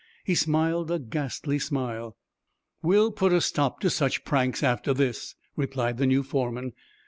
He smiled a ghastly smile. "We'll put a stop to such pranks after this," replied the new foreman.